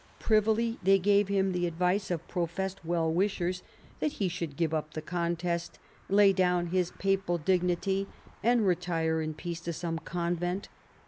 Privily they gave him the advice of professed well wishers that he should give up the contest, lay down his papal dignity and retire in peace to some convent.